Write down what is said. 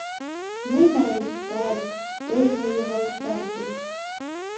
— Ну, марий, тау, тый мыйым ылыжтарышыч.